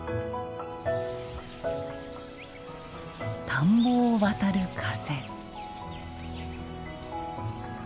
田んぼを渡る風。